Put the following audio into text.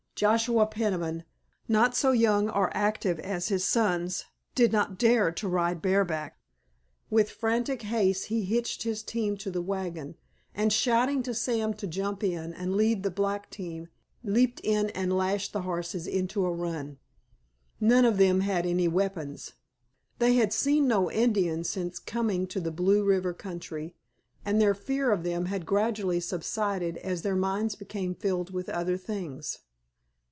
Joshua Peniman, not so young or active as his sons, did not dare to ride bareback. With frantic haste he hitched his team to the wagon, and shouting to Sam to jump in, and lead the black team, leaped in and lashed the horses into a run. None of them had any weapons. They had seen no Indians since coming to the Blue River country, and their fear of them had gradually subsided as their minds became filled with other things.